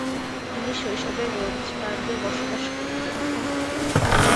তিনি শৈশবে রোজবার্গে বসবাস করতেন।